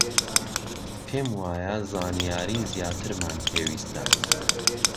پێم وایە زانیاریی زیاترمان پێویستە.